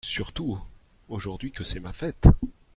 Surtout aujourd’hui que c’est ma fête.